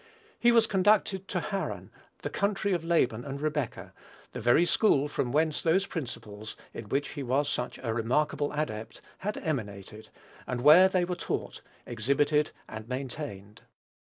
He was conducted to Haran, the country of Laban and Rebekah, the very school from whence those principles, in which he was such a remarkable adept, had emanated, and where they were taught, exhibited, and maintained.